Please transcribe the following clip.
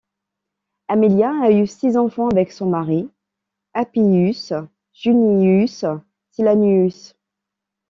Aemilia a eu six enfants avec son mari Appius Junius Silanus.